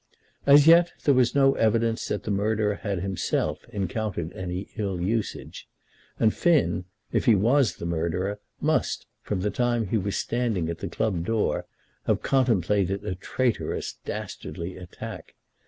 As yet there was no evidence that the murderer had himself encountered any ill usage. And Finn, if he was the murderer, must, from the time he was standing at the club door, have contemplated a traitorous, dastardly attack.